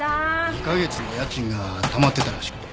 ２カ月も家賃がたまってたらしくて。